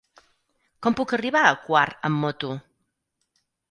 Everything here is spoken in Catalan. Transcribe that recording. Com puc arribar a Quart amb moto?